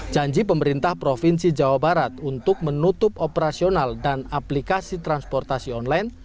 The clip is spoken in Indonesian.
janji pemerintah provinsi jawa barat untuk menutup operasional dan aplikasi transportasi online